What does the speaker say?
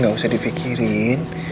ga usah difikirin